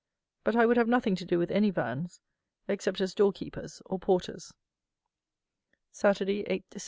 But I would have nothing to do with any VANS, except as door keepers or porters. _Saturday, 8 Dec.